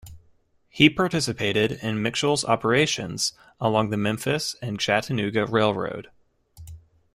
He participated in Mitchel's operations along the Memphis and Chattanooga Railroad.